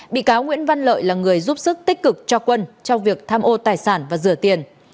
bị cáo nguyễn văn lợi là người giúp sức tích cực cho quân trong việc tham ô tài sản và rửa tiền